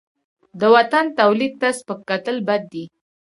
د وطن تولید ته سپک کتل بد دي.